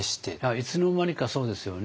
いつの間にかそうですよね。